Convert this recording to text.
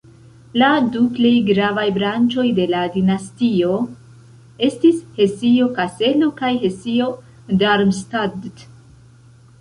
La du plej gravaj branĉoj de la dinastio estis Hesio-Kaselo kaj Hesio-Darmstadt.